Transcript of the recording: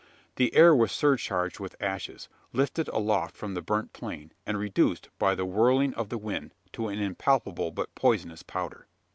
The air was surcharged with ashes, lifted aloft from the burnt plain, and reduced, by the whirling of the wind, to an impalpable but poisonous powder.